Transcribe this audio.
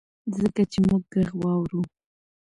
ځکه چي مونږ ږغ واورو